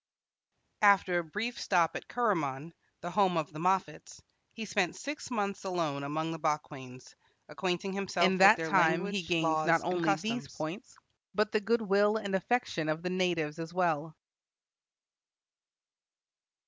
After a brief stop at Kuruman, the home of the Moffats, he spent six months alone among the Bakwains, acquainting himself with their language, laws, and customs. In that time he gained not only these points, but the good will and affection of the natives as well.